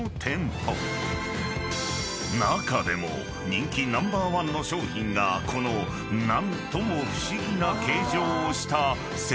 ［中でも人気ナンバーワンの商品がこの何とも不思議な形状をした西湖］